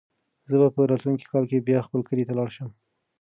زه به په راتلونکي کال کې بیا خپل کلي ته لاړ شم.